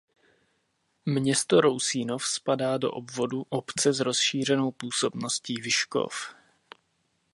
Město Rousínov spadá do obvodu obce s rozšířenou působností Vyškov.